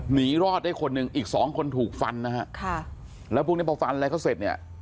หนีรอดได้คนหนึ่งอีกสองคนถูกฟันนะฮะค่ะแล้วพวกนี้พอฟันอะไรเขาเสร็จเนี่ย